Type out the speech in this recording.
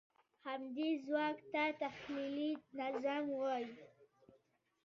همدې ځواک ته تخیلي نظم وایي.